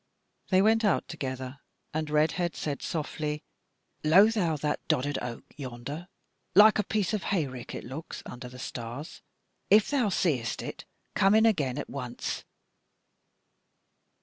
They went out together and Redhead said softly: "Lo thou that doddered oak yonder; like a piece of a hay rick it looks under the stars; if thou seest it, come in again at once."